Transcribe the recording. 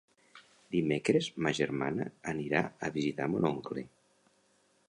Dimecres ma germana anirà a visitar mon oncle.